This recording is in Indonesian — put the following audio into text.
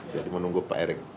jadi menunggu pak erik